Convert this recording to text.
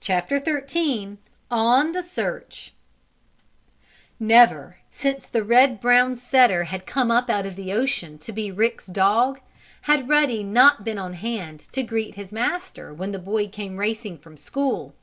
CHAPTER XIII ON THE SEARCH Never, since the red brown setter had come up out of the ocean to be Rick's dog, had Ruddy not been on hand to greet his master when the boy came racing from school.